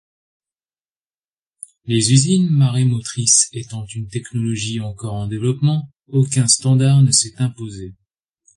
Les usines marémotrices étant une technologie encore en développement, aucun standard ne s'est imposé.